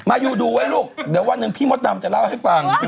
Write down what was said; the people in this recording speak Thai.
ยูดูไว้ลูกเดี๋ยววันหนึ่งพี่มดดำจะเล่าให้ฟัง